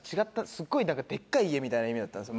すっごいデッカい家みたいな意味だったんです